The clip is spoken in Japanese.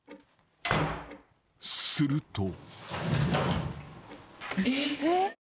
［すると］